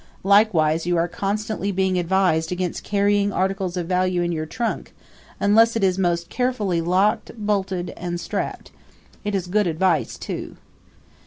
Likewise you are constantly being advised against carrying articles of value in your trunk, unless it is most carefully locked, bolted and strapped. It is good advice too.